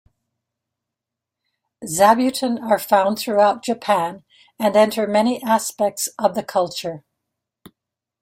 Zabuton are found throughout Japan and enter many aspects of the culture.